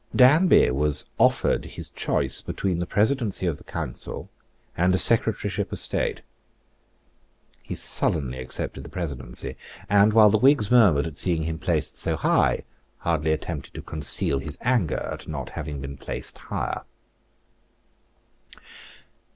Danby was offered his choice between the Presidency of the Council and a Secretaryship of State. He sullenly accepted the Presidency, and, while the Whigs murmured at seeing him placed so high, hardly attempted to conceal his anger at not having been placed higher.